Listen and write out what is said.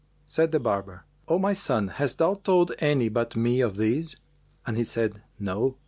Said the barber, "O my son, hast thou told any but me of this?"; and he said, "No."